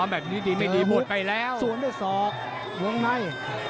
ศูนย์ด้วยศอกหลวงใน